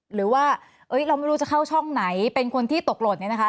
หรือว่าเราไม่รู้จะเข้าช่องไหนเป็นคนที่ตกหล่นเนี่ยนะคะ